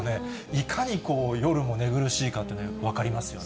いかに夜も寝苦しいかというのが分かりますよね。